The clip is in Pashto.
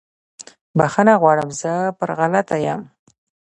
بخښنه غواړم زه پر غلطه یم